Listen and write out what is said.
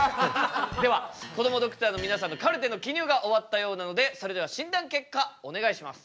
ではこどもドクターの皆さんのカルテの記入が終わったようなのでそれでは診断結果お願いします。